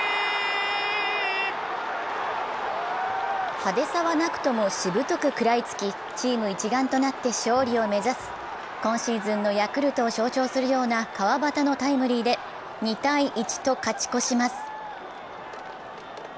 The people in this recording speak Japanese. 派手さはなくとも、しぶとく食らいつきチーム一丸となって勝利を目指す今シーズンのヤクルトを象徴するような川端のタイムリーで２−１と勝ち越します。